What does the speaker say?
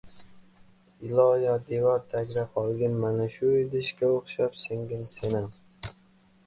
Iloyo, devor tagida qolgin, mana shu idishga oʻxshab singin senam!